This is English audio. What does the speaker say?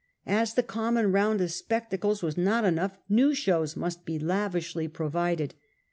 As the common round of spectacles was not enough, new shows must be lavishly provided.